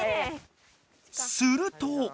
すると？